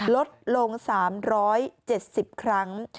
ลดลง๓๗๐ครั้ง